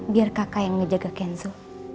biar kakak yang menjaga kenzo